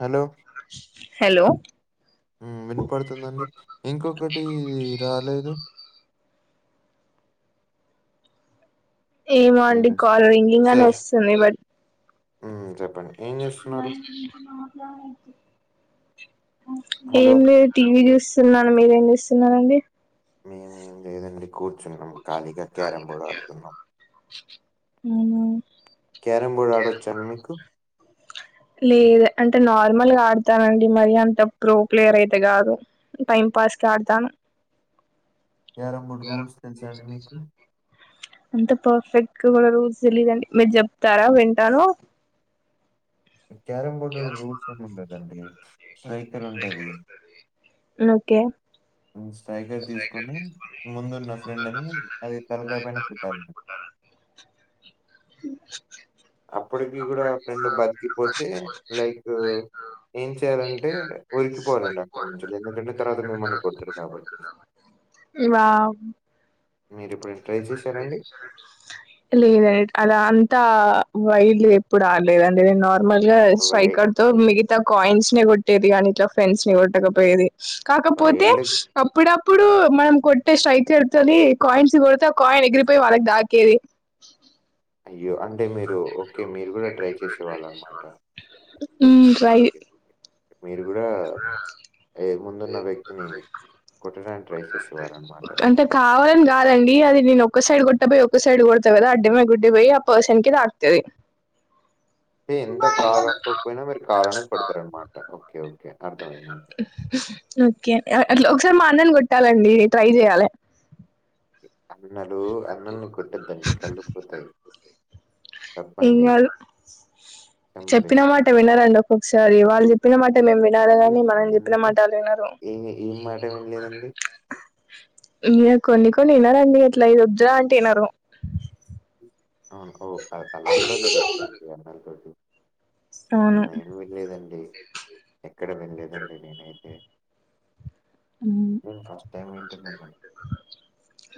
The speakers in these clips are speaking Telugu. హలో హలో మ్ వినపడుతుందండీ ఇంకొకటి రాలేదు ఏమో అండి సరే కాల్ రింగింగ్ అని వొస్తుంది బట్ ఉ చెప్పండి ఏం చేస్తున్నారు? [unintelligible] మాట్లాడద్దు హలో! ఏం లేదు టీవీ చూస్తున్నాను మీరేం చేస్తున్నారు అండీ మేమేం లేదండి గుడ్ చున్నం కాలిగా క్యారం బోర్డ్ ఆడుతున్నాం అవునా క్యారం బోర్డ్ ఆడొచ్ఛ అండీ మీకు లేదు అంటే నార్మల్గా ఆడతాను అండీ మరి అంత ప్రో ప్లేయర్ అయితే గాదు టైం పాస్ సడ్తాను క్యారమ్ బోర్డ్ కియారా రూల్స్ తెలుసా ఫ్రూట్స్ అండి మీకు? తెచ్చిన అంత పర్ఫెక్ట్ గా కూడా రూల్స్ తెలీయదండి మీరు చెప్తారా వింటాను క్యారం బోర్డు రూల్స్ ఏం ఉండదండి నోకే స్ట్రైకర్ తీసుకొని ముందున్న ముందు న ఫ్రెండ్‌ని ఫ్రెండ్ ని తలకాయ అది తలకాయ్ పైన కొట్టాలి. కొట్టాలండి. ఉ అప్పటికి కూడా రెండు బతికిపోతే లైకూ ఏం చేయాలంటే ఒరికిపోలండి అక్కడ్నుంచి ఎందుకంటే తర్వాత మిమల్ని కొడ్తారు కాబట్టి వావ్ మీరిప్పుడు లేదండి అధన్ తా వైట్ ది ఎప్పుడు ఆల్లేదండి నేను నార్మల్ గా వై స్ట్రైక్డ్ తో మిగతా కాయిన్స్ నే గొట్టేది, ఆనీ ఇట్ల ఫ్రెండ్స్ ని కొట్టకపోయేది కాకపోతే వైల్డ్ అప్పుడప్ ఇప్పుడు మనం కొట్టే స్ట్రైకర్ తొనీ కాయిన్స్ కొడ్తే అప్ కాయిన్ ఎగిరిపోయి వాళ్లక్ దాకేది. అయ్యో అన్ చేసేవాళ్ళనమాట. ఉమ్ ట్రై మీరు గూడా ఏ ముందున్న వ్యక్తిని కొట్టడానికి ట్రై సేసేవారన్నమాట. అంటే కావాలని కాదండి అది నేనొక్క సైడ్ కొట్టబోయి ఒక్క సైడ్ గొడ్తాకదా అడ్డిమే గుడ్డిమే ఆ పర్సన్ కి తాక్తది. తె ఎంత కాదనుకోక్పేయినా మీరు కాదను పడ్తారన్మాట ఓకే ఓకే అర్థమైందండి. ఓకే అ అట్ల ఒకసారి మా అన్నని గొట్టాలండి ట్రై జెయ్యాలె అన్నలు అన్నల్ని కొట్టద్దండి కళ్ళుపోతాయి. ఏం గాదు చెప్పిన మాట చెంపలేసుకోండి. వినరండి. ఒక్కొక్కసారి వాళ్ళు జెప్పిన మాట నేన్ వినాల గాని మనం జెప్పిన మాట వాళ్ళినరు. ఇహి ఏం మాట విన్లేదండి ఇయ్యద్ కొన్ని కొన్ని వినరండి అట్లా ఇ ఓజ్జా అంటే వినరు. అవును ఓ ఆ అలా కూడా జరుగుతదండి అన్నం తోటి నేను అవును బయలు వెళ్లేదండి ఎక్కడ వెళ్లేదండి నేనైతే హుమ్ నేను ఫస్ట్ టైం వింటున్నానండి.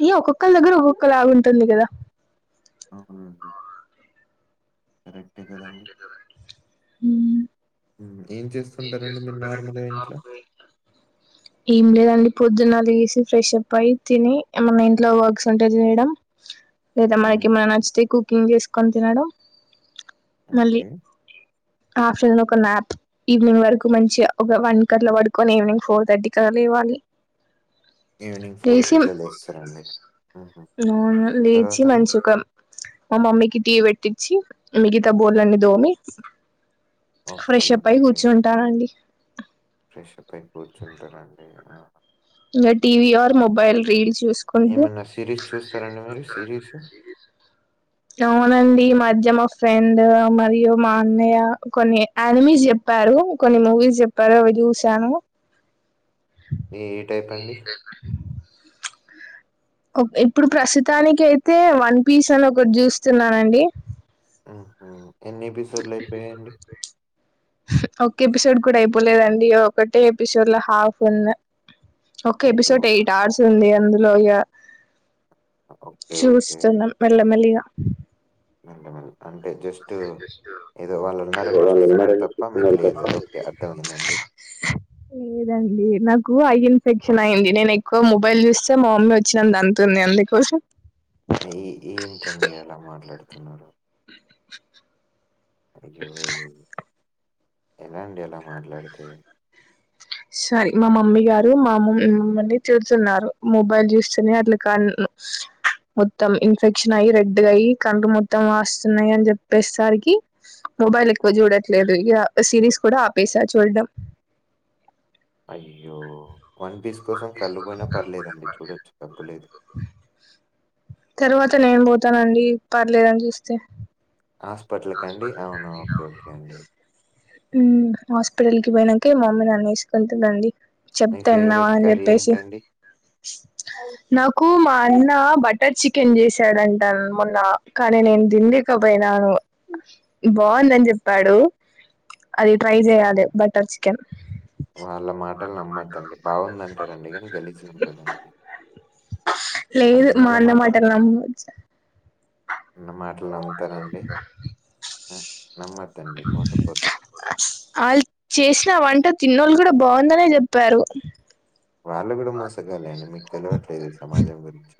ఏ ఒక్కొక్కల్ దగ్గర ఒక్ క్కొలాగుంటుంది కదా అవున కరెక్టే గదాండి హుమ్ చేస్తుంటారండి మీరు ఏంచేస్తుంటారండి నార్మల్‌గా మీర్ నార్మల్ గా ఇంట్లో ఏం లేదండి పొద్దున్న లేశి ఫ్రెష్ అప్పై తిని ఏమన్న మన ఇంట్లో వర్క్స్ ఉంటే జేయడం. లేదా హ్మ్. మనకేమై హ్మ్. నచ్చితే కుకింగ్ జేస్కొని తినడం మళ్ళీ ఓకే. ఆఫ్టర్నూన్ ఒక న్యాప్ ఈవినింగ్ వరకు మంచి ఒక వన్ కట్లా వడుకొని ఈవినింగ్ ఫోర్ థర్టీకలా లేవాలి. వింజ ఈవినింగ్ ఫోర్ కట్లా లేస్తారండి ఉహు అవును లేచి తర్వాత అండి మంచిగా మా మమ్మీకి టీ వెట్టిచ్చి మిగతా బోల్లన్ని దోమి ఓకే. ఫ్రెష్ప్ అయి ఓకే. గూర్చుంటానండి. ఫ్రెషప్ అయి కూర్చుంటారండి. ఆహా! ఇంగ టీవీ ఆర్ మొబైల్ రీల్స్ జూస్కుంటూ ఏమన్నా సీరీస్ చూస్తారండి మీరు? సీరీస్? అవునండి మధ్య జమ్ వస్తాయండ్ ఓ మది మా అన్నయ్య కొన్ని ఆనిమీజ్ జెప్పారు కొన్ని మూవీస్ జెప్పారు. అరవై జూసాను ఈ ఏ టైపండి? ప్చ్ ఓప్ ఇప్పుడు ప్రస్సుతానికైతే వన్ పీస్ అనొకట్ జూస్తున్నానండి. ఉహు ఎన్ని ఎపిసోడ్లు అయిపోయండి? ఒక్క ఎపిసోడ్ కూడ అయిపోలేదండి ఒకటే ఎపిసోడ్ లో హాఫ్ ఉన్న ఒక అయ్యో! ఎపిసోడ్ ఎయిట్ అవర్స్ ఉంది అందులో ఇగ ఓకే. ఓకే. చూస్తున్నం మెల్ల మెల్లిగా నన్ ఎమ్మన ప్రాంక్ అంటే జస్ట్ ఏదో వాళ్ళు ఉన్నారని చూస్తున్నారు తప్ప మీకు లేదు ఓకే అర్థమైందండి లేదండి నాకు ఐ ఇన్ ఫెక్షన్ అయింది నేను ఎక్కువ మొబైల్ చూస్తే మా మమ్మీ ఓచ్చి నన్ను తంతుంది అందుకోసం తిన్నార అయ్యో ఏం అయింది ఎలాండి ఇలా మాట్లాడితే సారీ మా మమ్మీ గారు మామ్మ మమ్మల్ని తిడుతున్నారు మొబైల్ జుస్తనే అట్లు కాన్ మొత్తం ఇన్ఫెక్షన్ అయ్యి రెడ్డ్గయి కన్లు మొత్తం వాస్తున్నాయి అని జెప్పేసారికి మొబైల్ ఎక్కువ జూడట్లేదు ఇగ సిరీస్ కూడా ఆపేసా చూడడం అయ్యో వన్ పీస్ కోసం కళ్ళుపోయినా పర్లేదండి చూడొచ్చు తగ్గులేదు తర్వాత నేన్ పోతానండి పర్లేదని జూస్తే హాస్పిటల్ క అండి ఔనా ఒకె ఒకె అండి ఉమ్ హాస్పిటల్ కి పోయినంక మమ్మీ నాన్నేస్కుంటదండి మీ చెప్తే ఇన్నవా ఫేవరెట్ అని కర్రీ చెప్పేసి ఏంటండి? నాకు మా అయినా బటర్ చికెన్ జెసాడంటా మొన్న కానీ నేన్ తిన్లేకపోయినాను బావుందని జెప్పాడు అది ట్రై హ్మ్. జెయాలె బటర్ చికెన్ వాళ్ళ మాటల్ నమ్మద్దండి బాగుందంటారండి గనీ గలీజ్గ్ ఉంటదండి లేదు మా అన్న మాటలు నమ్మొచు ఉన్న మాటలు నమ్ముతారండి హ్ నమ్మద్దండి మోసపోతురు ఆల్ చేసిన వంట తిన్నోళ్ళు గూడా బావుందనే జెప్పారు వాళ్ళు గూడా మోసగాలే అండి మీక్ తెలివట్లేదు ఈ సమాజం గురించి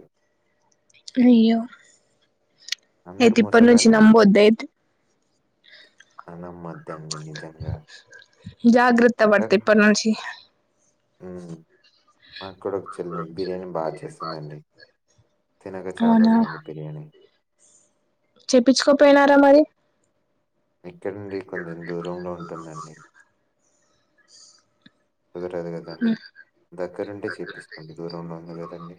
అయ్యో అందరూ అయితే ఇప్పటి నుంచి నమ్మొద్ద అయితే అ నమ్మొద్ జాగ్రత్త వడ్త ఇప్పడ్ నుంచి మ్ మాక్కూడ ఒక చెల్లి ఉంది బిర్యానీ బా చేస్తుందండి తినక చాల్ రోజులైంది బిర్యానీ చెప్పించుకోన్ పోయినారా మరి ఇక్కడ్ నుండి కొంచెం దూరంలో ఉంటుందండి కుదరదు కదాండి దగ్గరుంటే చెయిప్పిస్తాం దూరంలో ఉంది కదండి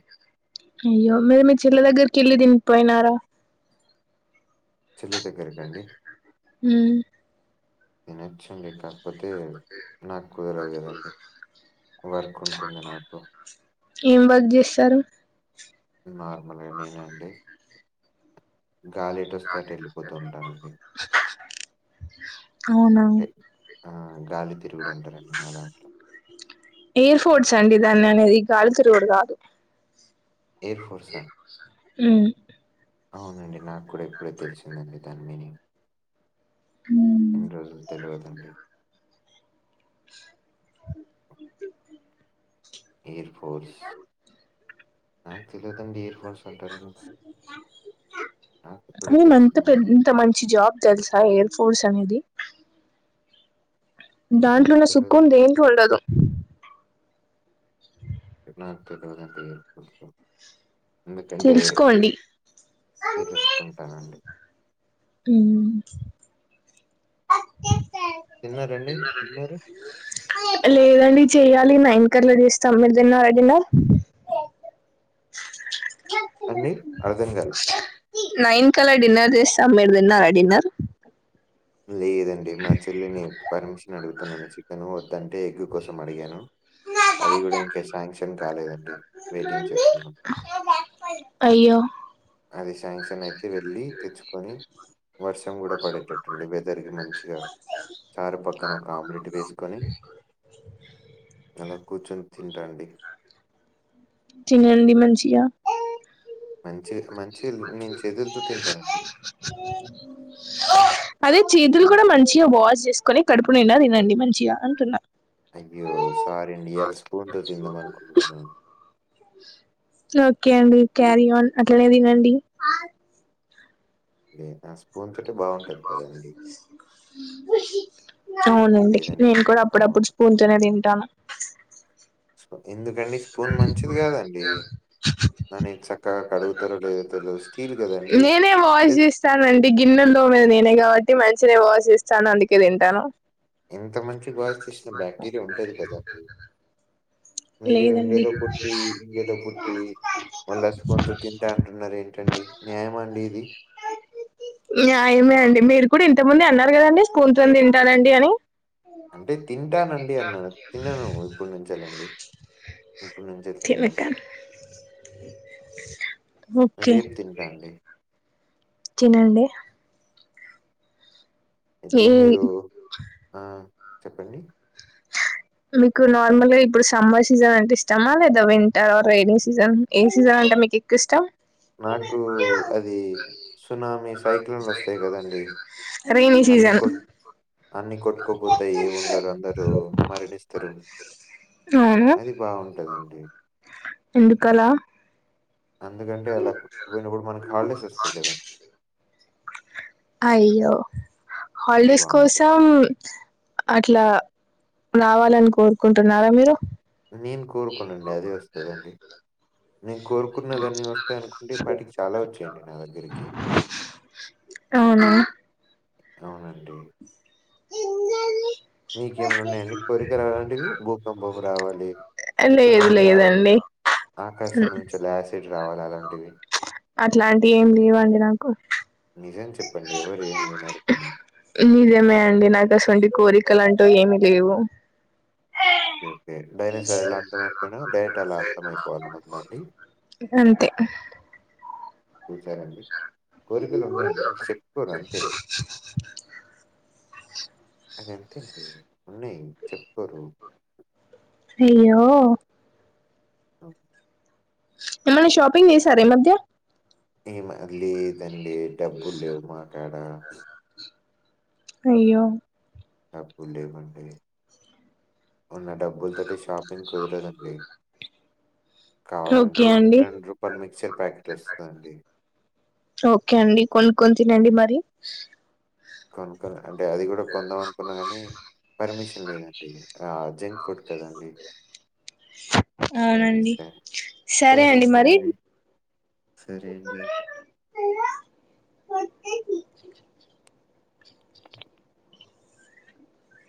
అయ్యో మీర్ మీ చెల్లె దగ్గరికి వెళ్ళి దింప్ పోయినారా చెల్లి దెగ్గరక అండి ఉమ్ తినొచ్చండి కాక్ ఒకే నాక్ కుదరదు గదండి వర్క్ ఉంటుంది నాకు ఏం వర్క్ జెస్సరు నార్మల్గా నేనే అండి గాలి ఎటు వస్తే అటు వెళ్ళిపోతూ ఉంటానండి [unintelligible] అవునా అంటే ఆ, గాలి తిరుగుడు అంటారండి మా దాంట్లో ఎయిర్ ఫోర్ట్స్ అండి దాన ఆనేది ఈ గాలికి రోడ్ గాదు ఎయిర్ఫోర్సా అ ఉమ్ అవునండి నాక్ కూడా ఇప్పుడే తెలిసిందండి దాని మనింగ్ ఎన్ రోజులు తెల్వదండి ఎయిర్ ఫోర్స్ నాక్ తేల్వదండి ఎయిర్ ఫోర్స్ కంటరెన్స్ యే మంత పెద్ ఇంత మంచి జాబ్ తెలుసా ఎయిర్ ఫోర్స్ అనేది దాంట్లో నాకు ఉన్న సుకుమ్ తెలియదండి దేంట్లో ఉండదు ఎ నాకు తెల్వదండి ఎందుకంటే తెలుసుకోండి తెలుసుకుంటానండి ఉ తిన్నారండి డిన్నరు డి చేయాలి నైన్ కీ అట్ల చేస్తాం మీరు దిన్నరా డిన్నర్ అండి అర్ధంకాలే నైన్ కలా డిన్నర్ చేస్తాం మీరు తిన్నారా డిన్నర్ లేదండి మా చెల్లిని పర్మిషన్ అడుగుతున్నాను చికెన్ వద్దంటే ఎగ్ కోసం అడిగాను అది కూడా ఇంకా శాంక్షన్ కాలేదండి వెయిటింగ్ చేస్తున్నాం అయ్యో అది శాంక్షన్ అయితే వెళ్ళి తెచ్చుకొని వర్షం కూడా పడేటట్ వెదర్ కి మంచిగా చారు పక్కన ఒక ఆమ్లెట్ వేసుకొని అలా కూర్చొని తింటా అండి తినండి మంచిగా మంచి మంచి నేను చేతులతో తింటానండి. అదే చేతులు హ్మ్. కూడా మంచిగా వాష్ చేసుకోని కడుపు నిండా తినండి మంచిగా అంటున్నా అయ్యో సారి అండి ఎయల్ స్పూన్ తో తిందామానుకుంటున్న ఓకే అండి క్యారీ ఆన్ అట్లనే తినండి లే ఆ స్పూన్ తోటి బాగుంటది కదండి అవునండి లేదండి నేను కూడా అవును. అప్పుడప్పుడు స్పూన్ తోనే దిన్ ట్టను కండి స్పూన్ మంచిది కాదండి దాని చక్కగా కడుగుతారో లేదో తెల్వది స్టీల్ కాదండి చేస్ మీద నేనే కాబట్టి మంచినే వాషిస్తాను అందుకే తింటాను ఎంత మంచి బ చేసిన బాక్టీరియా ఉంటది కదండి మీరు లేదండి ఇండియాలో పుట్టి ఇండియాలో పుట్టి మళ్ళ స్పిన్ తో తింటా అంటున్నారు ఏంటం అండి న్యాయమాండి ఇది న్యాయమే అండి మీరు కూడా ఇంత ముంది అన్నారు కదండి స్పూన్ తోని తింటారండి అని అంటే తింటానండి అన్నాను తినను ఇప్పుడు నుంచేలేండి ఇప్పుడు నుంచి అయితే తినను తినక ఓకే రేప్ తింటాండి తినండి ఎట్ల ఈ మీరు ఆ చెప్పండి మీకు నార్మల్గా ఇప్పుడు సమ్మర్ సీజన్ అంటే ఇష్టమా లేదా వింటర్ రైైనీ సీజన్ ఏ సీజన్ ఇగ మీకు ఎక్కువ ఇష్టం నాకు అది సునామీ సైక్లోన్లు వస్తాయి కదండి రైనీ అన్ని సీజన్ కొట్ అన్ని కొట్టుకోపోతయి ఏముండరు అందరు మరణిస్తరు అవును అది బాగుంటదండి ఎందుకలా అందుకంటే అలా పోయినప్పుడు మనకి హల్డేస్ వస్తాయి కదా అయ్యో అది హాలిడేస్ బావుంటది. కోసం అట్లా రావాలని కోరుకుంటున్నారా మీరు నేను కోరుకోనండి అదే వస్తదండి నేను కోరుకున్నదన్ని వస్తాయి అనుకుంటే ఈ పాటికి చాలా వచ్చేయండి నా దగ్గరికి అవునా అవునండి మీకేమైనా ఉన్నాయండి కోరికలు అలాంటివి? భూకంపం రావాలి, లేదు సునామీ రావాలి, లేదండి ఆకాశం నుంచిలా యాసిడ్ రావాలి అలా ప్చ్ అట్లాంటివి ఏం లేవండి నాకు నిజం చెప్పండి ఎవరు ఏం వినరు కానీ. నిజేమే అండి నాకసుంటి కోరికలు అంటే టు ఏమి లేవు ఓకే ఒకే డైనొసర్ ఎలా అంతం అయిపోయినా డైట్ అలా అంత అయిపోవాలని ఉందండి అంతే చూచారండి కోరికలు ఉన్నాయండి మీర్ చెప్పుకోరు అంతే అదంతే అండీ ఉన్నాయి చెప్పరు ఈయ్యో ఓ ఏమన్నా షాపింగ్ చేసారా ఈ మధ్య ఏమ లేదండి డబ్బు లేవు మాకాడ అయ్యో డబ్బు లేవండి ఉన్న డబ్బులుతోటీస్ షాపింగ్ కుదరదండి కావాలంటే ఓకే అండి రెండు రూపాయల మిక్చర్ ప్యాకెట్ వస్తదండి ఓకే అండి కొను కొని తినండి మరి కొనుకోలే అంటే అది కూడా కొందాం అనుకున్నా కాని పర్మిషన్ లేదండి ఆ జెం ప్పుడు కదండి అవునండి సరే అండి మరి సరే అండి